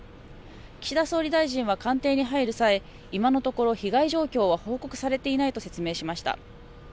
岸田総理大臣は官邸に入る際、今のところ被害状況は報告されていないと説明しました。